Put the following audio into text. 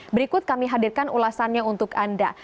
berikut kami hadirkan ulasannya untuk anda